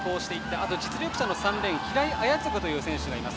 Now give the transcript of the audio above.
あと実力者の３レーン、平井彬嗣選手がいます。